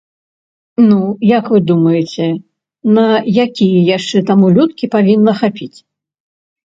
Ну, як вы думаеце, на якія яшчэ там улёткі павінна хапіць?